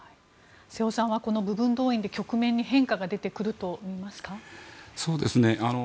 瀬尾さんはこの部分動員で、局面に変化が出てくると思いますか？